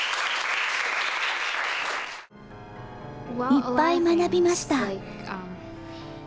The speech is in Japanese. いっぱい学びました。